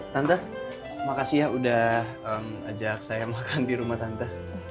tante makasih ya udah ajak saya makan di rumah tante